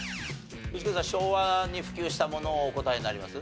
昭和に普及したものをお答えになります？